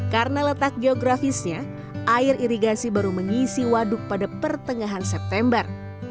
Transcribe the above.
karena letak geografisnya air irigasi baru mengisi waduk pada pertengahan september